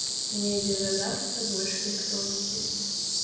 Недзе дадасца больш электронікі.